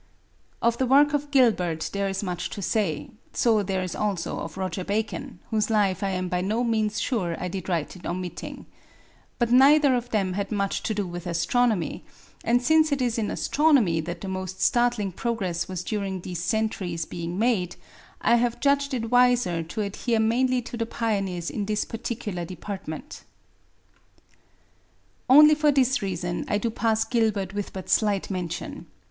Of the work of Gilbert there is much to say; so there is also of Roger Bacon, whose life I am by no means sure I did right in omitting. But neither of them had much to do with astronomy, and since it is in astronomy that the most startling progress was during these centuries being made, I have judged it wiser to adhere mainly to the pioneers in this particular department. Only for this reason do I pass Gilbert with but slight mention.